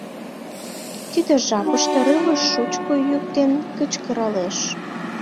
Тиде жапыште рывыж шучко йӱк ден кычкыралеш: